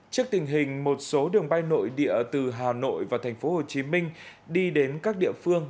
trước tình hình một số đường bay nội địa từ hà nội và thành phố hồ chí minh đi đến các địa phương